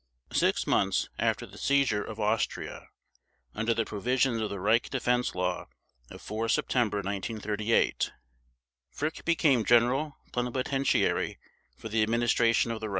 Six months after the seizure of Austria, under the provisions of the Reich Defense Law of 4 September 1938, Frick became General Plenipotentiary for the Administration of the Reich.